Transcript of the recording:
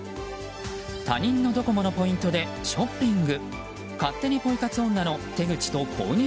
他人のドコモのポイントでショッピング。